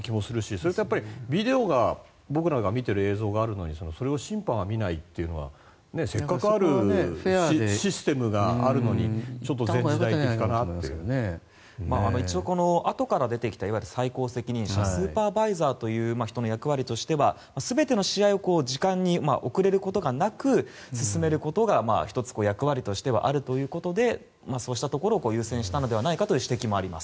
それとビデオが僕らが見ている映像があるのにそれを審判が見ないというのはせっかくシステムがあるのにちょっと前時代的かなと。一応あとから出てきた最高責任者スーパーバイザーという人の役割としては全ての試合を時間に遅れることがなく進めることが１つ、役割としてはあるということでそうしたところを優先したのではないかという指摘もあります。